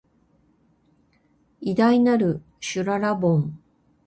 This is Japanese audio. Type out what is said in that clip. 偉大なる、しゅららぼん